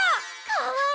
かわいい！